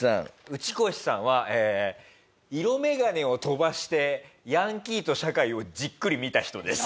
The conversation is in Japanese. ウチコシさんはえー色眼鏡を飛ばしてヤンキーと社会をじっくり見た人です。